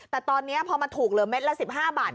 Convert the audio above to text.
แต่ตอนนี้พอมาถูกเหลือเม็ดละ๑๕บาท